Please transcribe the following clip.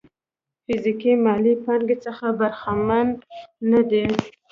فزيکي مالي پانګې څخه برخمن نه دي.